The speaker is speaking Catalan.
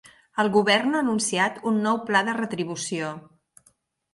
El govern ha anunciat un nou pla de retribució.